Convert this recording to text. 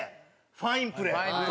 ファインプレー。